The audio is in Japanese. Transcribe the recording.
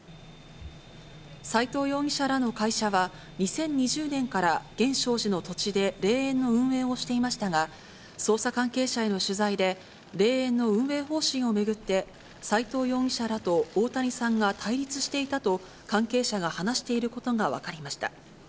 斎藤容疑者らの会社は、２０２０年から源証寺の土地で、霊園の運営をしていましたが、捜査関係者への取材で、霊園の運営方針を巡って、斎藤容疑者らと大谷さんが対立していたと、関係者が話していることが分かりました。